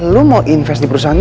lu mau invest di perusahaan